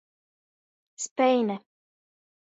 Speine.